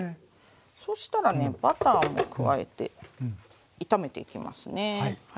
そしたらねバターも加えて炒めていきますね。